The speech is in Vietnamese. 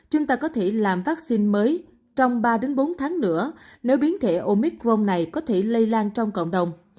chúng ta có thể làm vaccine mới trong ba bốn tháng nữa nếu biến thể omicron này có thể lây lan trong cộng đồng